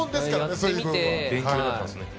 水分はやってみて勉強になったんですね